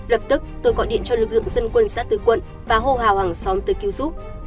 lập tức tôi gọi điện cho lực lượng dân quân xã tư quận và hô hào hàng xóm tới cứu giúp